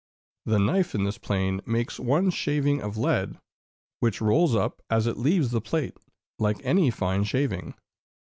The knife in this plane makes one shaving of lead, which rolls up as it leaves the plate, like any fine shaving.